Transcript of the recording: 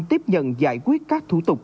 tiếp nhận giải quyết các thủ tục